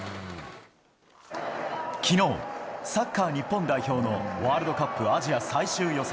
昨日、サッカー日本代表のワールドカップアジア最終予選。